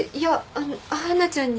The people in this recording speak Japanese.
あの華ちゃんに。